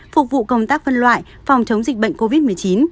phục vụ công tác phân loại phòng chống dịch bệnh covid một mươi chín